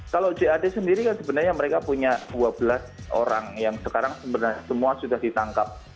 kalau jad sendiri kan sebenarnya mereka punya dua belas orang yang sekarang sebenarnya semua sudah ditangkap